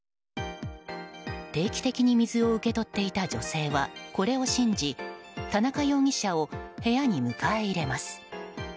定期的に水を受け取っていた女性はこれを信じ田中容疑者を部屋に迎え入れます。